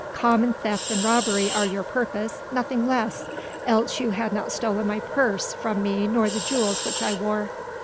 Common theft and robbery are your purpose, nothing less, else you had not stolen my purse from me nor the jewels which I wore."